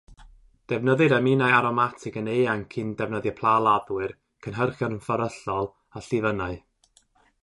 Defnyddir aminau aromatig yn eang cyn defnyddio plaladdwyr, cynhyrchion fferyllol, a llifynnau.